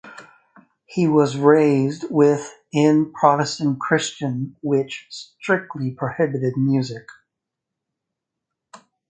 He was raised with in Protestant Christian which strictly prohibited music.